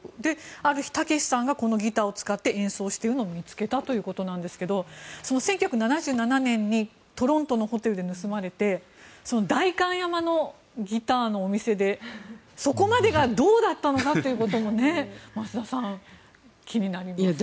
ある日、ＴＡＫＥＳＨＩさんがこのギターを使って演奏しているのを見つけたということなんですが１９７７年にトロントのホテルで盗まれて代官山のギターのお店でそこまでがどうだったのかってこともね増田さん、気になりますね。